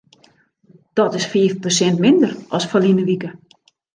Dat is fiif persint minder as ferline wike.